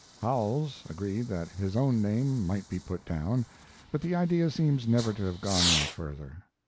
Howells agreed that his own name might be put down, but the idea seems never to have gone any further.